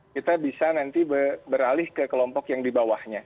kita bisa nanti beralih ke kelompok yang di bawahnya